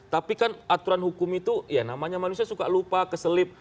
tapi kan aturan hukum itu ya namanya manusia suka lupa keselip